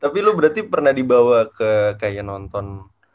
tapi lo berarti pernah dibawa ke kayak nonton